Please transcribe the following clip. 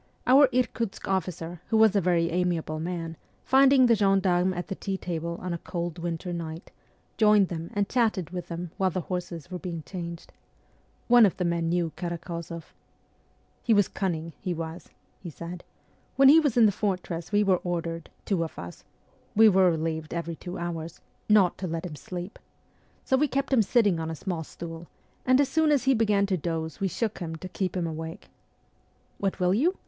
Our Irkutsk officer, who was a very amiable man, finding the gendarmes at the tea table on a cold winter night, joined them and chatted with them while the horses were being changed. One of the men knew Karak6 zoff. 'He was cunning, he was,' he said. 'When he was in the fortress we were ordered, two of us we were relieved every two hours not to let him sleep. So we kept him sitting on a small stool, and as soon as he began to doze we shook him to keep him awake. ... What will you